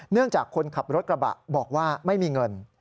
จากคนขับรถกระบะบอกว่าไม่มีเงิน